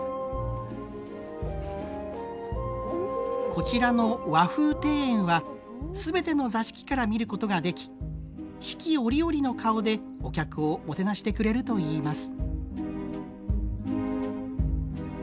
こちらの和風庭園は全ての座敷から見ることができ四季折々の顔でお客をもてなしてくれるといいます。